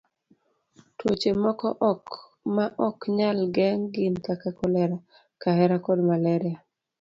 Tuoche moko ma ok nyal geng' gin kaka kolera, kahera, kod malaria.